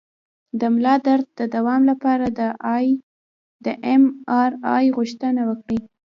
د ملا درد د دوام لپاره د ایم آر آی غوښتنه وکړئ